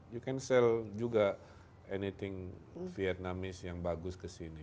you can sell juga anything vietnamis yang bagus ke sini